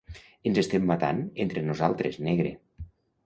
Ens estem matant entre nosaltres, negre.